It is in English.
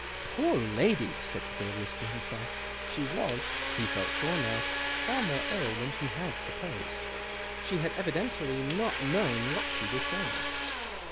" Poor lady !" said Claudius, to himself She was, he felt sure now% far more ill than THE OCTAVE OF CLAUDIUS. 1S5 he had supposed. She had evidently not known what she was saying.